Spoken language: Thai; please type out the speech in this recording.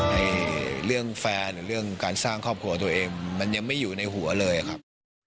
เรื่องแฟนหรือเรื่องการสร้างครอบครัวตัวเองมันยังไม่อยู่ในหัวเลยครับ